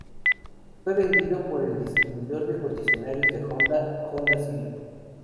Fue vendido por el distribuidor de concesionarios de Honda, "Honda Clio".